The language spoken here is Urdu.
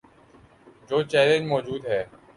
جو چیلنج موجود ہے۔